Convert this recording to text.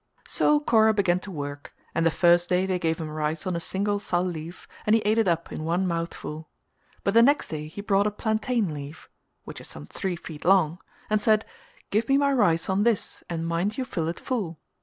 So Kora began to work and the first day they gave him rice on a single sal leaf and he ate it up in one mouthful: but the next day he brought a plantain leaf (which is some three feet long) and said "Give me my rice on this and mind you fill it full."